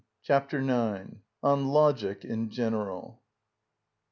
Chapter IX.(21) On Logic In General.